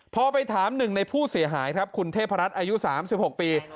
พอไปถามหนึ่งในผู้เสียหายครับคุณเทพรัฐอายุ๓๖ปี